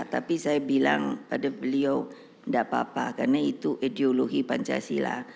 tapi saya bilang pada beliau tidak apa apa karena itu ideologi pancasila